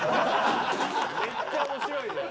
「めっちゃ面白いじゃん」